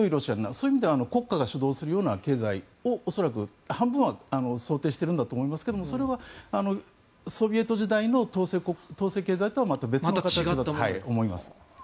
そういう意味では国家が主導するような経済を恐らく、半分は想定しているんだと思いますがそれはソビエト時代の統制経済化とはまた別だと思います。